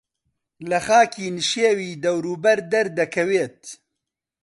لە خاکی نشێوی دەوروبەر دەردەکەوێت